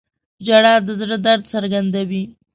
• ژړا د زړه درد څرګندوي.